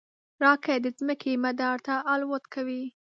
راکټ د ځمکې مدار ته الوت کوي